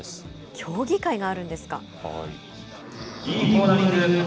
競技会があるんですか。